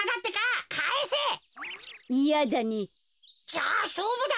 じゃあしょうぶだ。